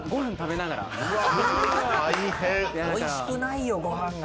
おいしくないよご飯が。